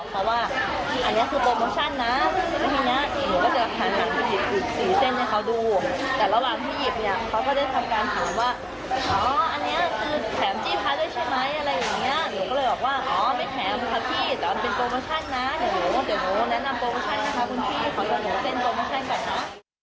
ขอบคุณพี่ขอบคุณพ่อเป็นตัวมันใช่ไหมครับ